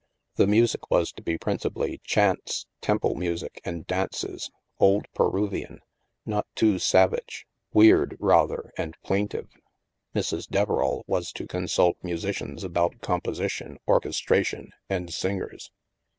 The music was to be principally chants, temple music, and dances. Old Peruvian — not too sav age; weird, rather, and plaintive. Mrs. Deverall was to consult musicians about composition, orches tration, and singers.